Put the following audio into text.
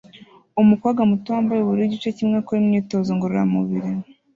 Umukobwa muto wambaye ubururu igice kimwe akora imyitozo ngororamubiri